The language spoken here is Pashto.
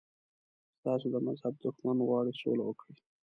ستاسو د مذهب دښمن غواړي سوله وکړي.